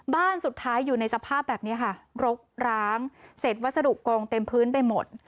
บ้านสุดท้ายอยู่ในสภาพแบบนี้ค่ะรกร้างเสร็จวัสดุกองเต็มพื้นไปหมด